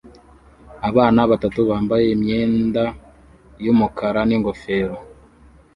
Abana batanu bambaye imyenda yumukara ningofero